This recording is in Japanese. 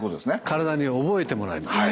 体に覚えてもらいます。